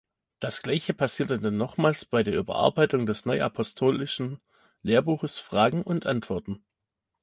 Das Gleiche passierte dann nochmals bei der Überarbeitung des neuapostolischen Lehrbuches „Fragen und Antworten“.